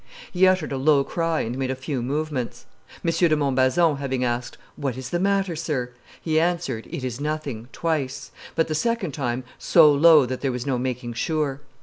He uttered a low cry and made a few movements. M. de Montbazon having asked, 'What is the matter, sir?' he answered, 'It is nothing,' twice; but the second time so low that there was no making sure.